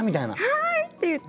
「はい！」って言って。